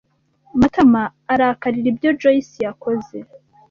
Matama arakarira ibyo Joyci yakoze.